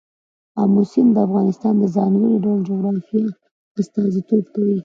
آمو سیند د افغانستان د ځانګړي ډول جغرافیه استازیتوب کوي.